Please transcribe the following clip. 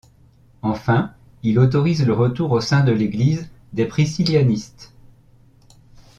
Enfin, il autorise le retour au sein de l'Église des priscillianistes.